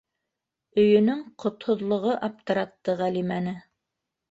Өйөнөң ҡотһоҙлоғо аптыратты Ғәлимәне.